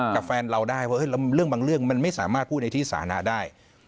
กับแฟนเราได้ว่าเรื่องบางเรื่องมันไม่สามารถพูดในที่สานะได้